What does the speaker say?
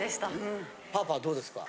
パーパーはどうですか？